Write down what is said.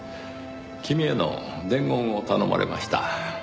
君への伝言を頼まれました。